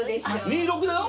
２６だよ。